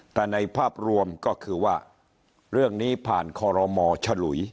แต่ในภาพรวมก็คือว่าเรื่องนี้ผ่านคอรมอฉลุย